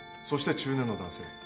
そして中年の男性。